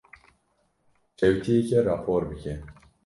Çewtiyekê rapor bike.